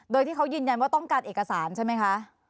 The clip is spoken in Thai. โดยที่เขายืนยันว่าต้องการเอกสารใช่ไหมคะ